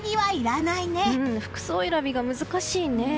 服装選びが難しいね。